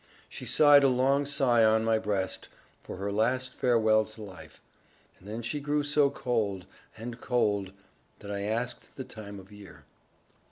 She sighed a long sigh on my breast, for her last farewell to life, and then she grew so cold, and cold, that I asked the time of year.